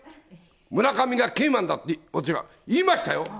村上がキーマンになると、私は言いましたよ。